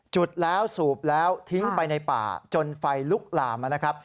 จุดแล้วสูบแล้วทิ้งไปในป่าจนไฟลุกลามนะครับ